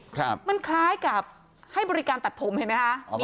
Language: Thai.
ครับมันคล้ายกับให้บริการตัดผมเห็นไหมคะอ๋อ